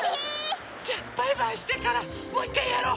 じゃあバイバイしてからもういっかいやろう。